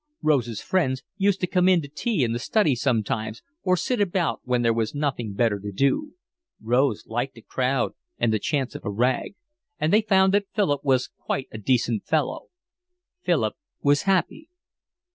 Rose's friends used to come in to tea in the study sometimes or sit about when there was nothing better to do—Rose liked a crowd and the chance of a rag—and they found that Philip was quite a decent fellow. Philip was happy.